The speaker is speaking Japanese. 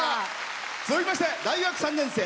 続きまして大学３年生。